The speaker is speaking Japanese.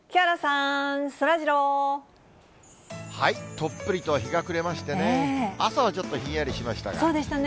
とっぷりと日が暮れましてね、そうでしたね。